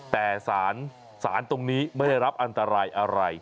แต่สารตรงนี้ไม่ได้รับอันตรายอะไร